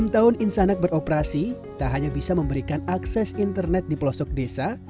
enam tahun insanak beroperasi tak hanya bisa memberikan akses internet di pelosok desa